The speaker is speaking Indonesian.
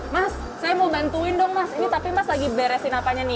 mas saya mau bantuin dong mas ini tapi mas lagi beresin apanya nih